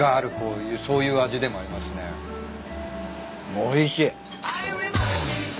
おいしい。